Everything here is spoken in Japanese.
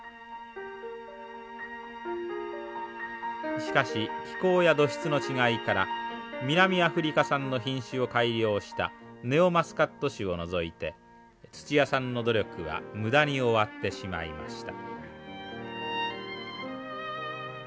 しかし気候や土質の違いから南アフリカ産の品種を改良したネオマスカット種を除いて土屋さんの努力は無駄に終わってしまいました。